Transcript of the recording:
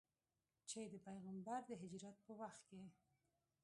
چې د پیغمبر د هجرت په وخت کې.